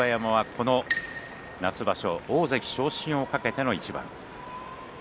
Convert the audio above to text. この夏場所大関昇進を懸けての一番。